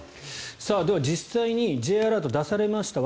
では実際にＪアラートが出されました。